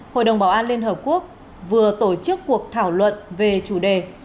hội đồng bảo an liên hợp quốc vừa tổ chức cuộc thảo luận về chủ đề